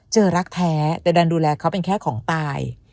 รักแท้แต่ดันดูแลเขาเป็นแค่ของตาย